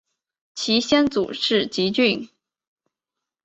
其先祖是汲郡。